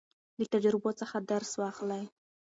له تجربو څخه درس واخلئ.